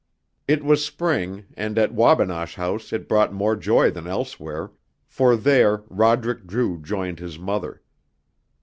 It was spring, and at Wabinosh House it brought more joy than elsewhere, for there Roderick Drew joined his mother.